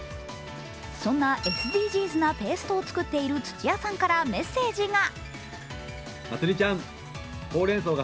そんなＳＤＧｓなペーストを作っている土屋さんからメッセージが。